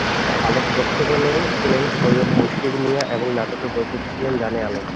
আলোক প্রক্ষেপণে ছিলেন সৈয়দ বশির মিয়া এবং নাটকের প্রযোজক ছিলেন জানে আলম।